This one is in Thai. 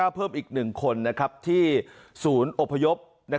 เพิ่มอีก๑คนที่ศูนย์อพยพ